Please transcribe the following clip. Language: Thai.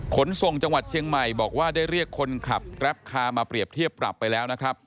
ขนส่งจังหวัดเชียงใหม่บอกว่าได้เรียกคนขับแกรปคามาเปรียบเทียบปรับไปแล้วนะครับ